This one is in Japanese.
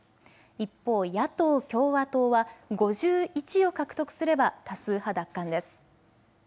一方、野党・共和党は５１を獲得すれば多数派奪還です。